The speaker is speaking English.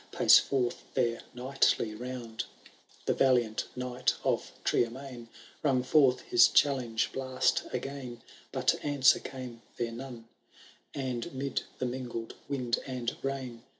Pace forth their nightly round. The Yaliant knight of Triermain Bong forth his challenge blast again. But answer came there none ; And mid the mingled wind and rain.